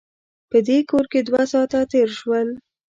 په دې کور کې دوه ساعته تېر شول.